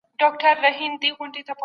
هیوادونه د مخنیوي لپاره یو کیږي.